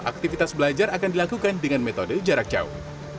aktivitas belajar akan dilakukan dengan metode jarak jauh